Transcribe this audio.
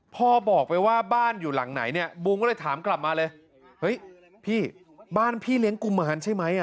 บอกไปว่าบ้านอยู่หลังไหนเนี่ยบูมก็เลยถามกลับมาเลยเฮ้ยพี่บ้านพี่เลี้ยงกุมารใช่ไหม